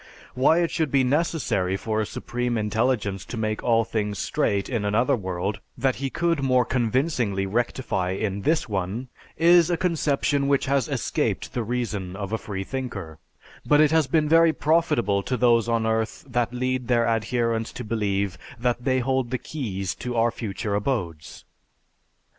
Why it should be necessary for a supreme intelligence to make all things straight in another world, that he could more convincingly rectify in this one, is a conception which has escaped the reason of a freethinker, but has been very profitable to those on earth that lead their adherents to believe that they hold the keys to our future abodes.